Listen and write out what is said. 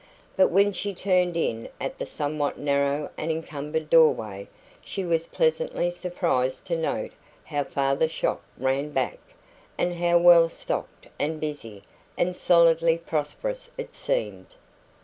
But when she turned in at the somewhat narrow and encumbered doorway, she was pleasantly surprised to note how far the shop ran back, and how well stocked and busy and solidly prosperous it seemed.